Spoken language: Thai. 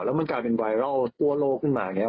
แล้วมันกลายเป็นไวรัลทั่วโลกขึ้นมาอย่างนี้